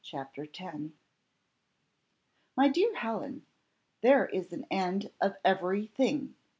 CHAPTER X "My dear Helen, there is an end of every thing!"